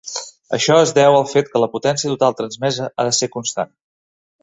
Això es deu al fet que la potència total transmesa ha de ser constant.